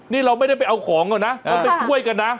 นี่เราไม่ได้ไปเอาของก่อนนะเราไปช่วยกันนะ